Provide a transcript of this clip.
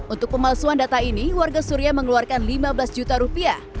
untuk pemalsuan data ini warga suria mengeluarkan lima belas juta rupiah